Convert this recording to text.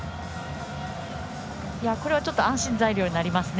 これは安心材料になりますね。